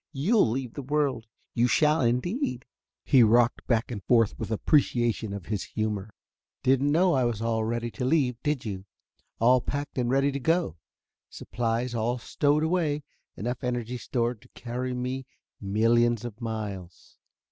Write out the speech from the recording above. You'll leave the world, you shall, indeed." He rocked back and forth with appreciation of his humor. "Didn't know I was all ready to leave, did you? All packed and ready to go. Supplies all stowed away; enough energy stored to carry me millions of miles.